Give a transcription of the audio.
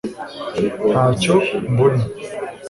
ntacyo mbona